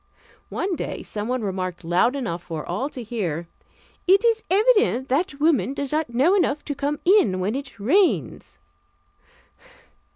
One day someone remarked loud enough for all to hear: "It is evident that woman does not know enough to come in when it rains."